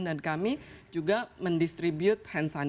dan kami juga mendistribusi temperatur gun